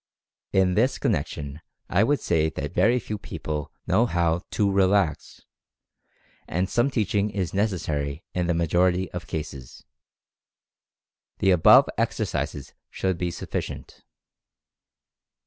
In this con nection I would say that very few people know how to "relax," and some teaching is necessary in the majority of cases. The above exercises should be sufficient.